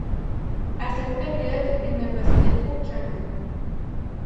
À cette période, ils ne possédaient aucun nom.